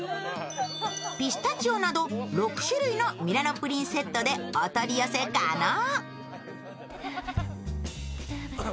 ピスタチオなど６種類のミラノプリンセットでお取り寄せ可能。